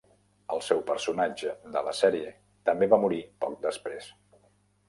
El seu personatge de la sèrie també va morir poc després.